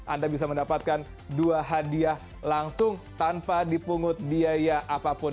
anda bisa mendapatkan dua hadiah langsung tanpa dipungut biaya apapun